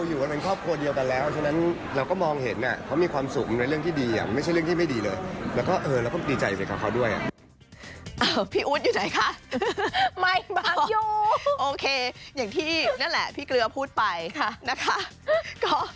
อย่างที่นั่นแหละพี่เกลือพูดไปนะฮะ